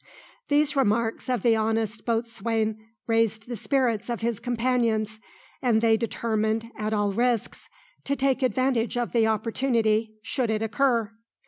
These remarks of the honest boatswain raised the spirits of his companions, and they determined, at all risks, to take advantage of the opportunity should it occur.